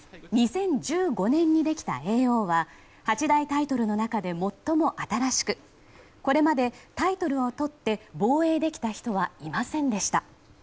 ２０１５年にできた叡王は８大タイトルの中で最も新しくこれまでタイトルをとって防衛できた人はいませんでした。